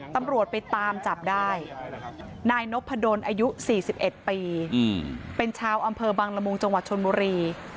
ตำรวจไปตามจับได้นายนพดลอายุ๔๑ปีเป็นชาวอำเภอบังละมุงจังหวัดชนบุรี